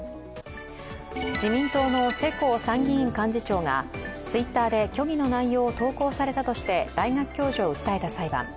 自民党の世耕参議院幹事長がＴｗｉｔｔｅｒで虚偽の内容を投稿されたとして大学教授を訴えた裁判。